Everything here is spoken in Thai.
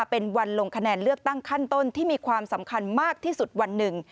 เป็นวันลงคะแนนเลือกตั้งขั้นต้นที่มีความสำคัญมากที่สุดวันหนึ่ง